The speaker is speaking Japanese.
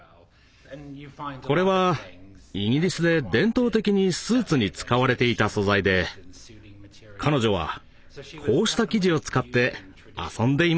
これはイギリスで伝統的にスーツに使われていた素材で彼女はこうした生地を使って遊んでいました。